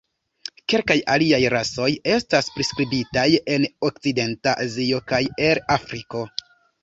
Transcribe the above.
Kelkaj aliaj rasoj estas priskribitaj en Okcidenta Azio kaj el Afriko.